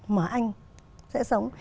mà anh sẽ sống